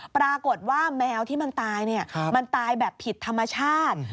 แมวที่มันตายมันตายแบบผิดธรรมชาติ